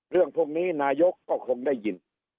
เรื่องพวกนี้นายกก็คงได้ยิน